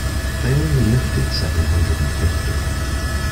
They only lifted seven hundred and fifty.